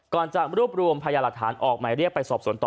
ก่อนจะรูปรวมภายละทรธานออกใหม่เรียกไปสอบสวนต่อไป